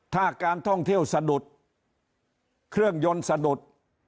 ถ้าการท่องเที่ยวสะดุดเครื่องยนต์สะดุด